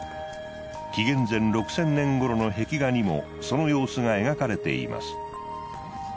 紀元前６０００年ごろの壁画にもその様子が描かれています。